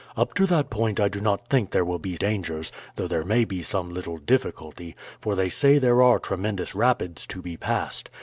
Up to that point I do not think there will be dangers, though there may be some little difficulty, for they say there are tremendous rapids to be passed.